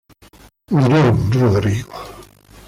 Miró, Rodrigo.